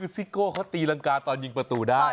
ซิโก้เขาตีรังกาตอนยิงประตูได้